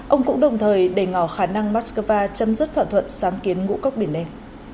ông cũng đồng thời để ngỏ khả năng moscow chấm dứt thỏa thuận sáng kiến ngũ cốc biển đen